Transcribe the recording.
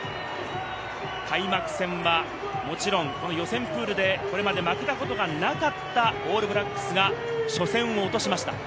開幕戦はもちろん、予選プールで、これまで負けたことがなかったオールブラックスが初戦を落としました。